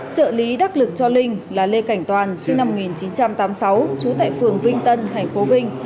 trợ lý đắc lực cho linh là lê cảnh toàn sinh năm một nghìn chín trăm tám mươi sáu trú tại phường vinh tân tp vinh